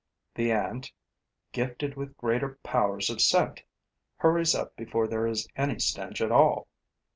The ant, gifted with greater powers of scent, hurries up before there is any stench at all.